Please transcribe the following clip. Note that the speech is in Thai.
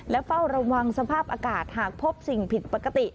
และเฝ้าระวังสภาพอากาศหากพบสิ่งผิดปกติ